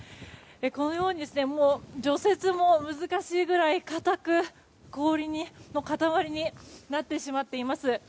このように除雪も難しいぐらい固く氷の塊になってしまっています。